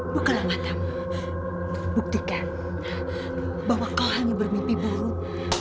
bukti kamu buktikan bahwa kau hanya bermimpi buruk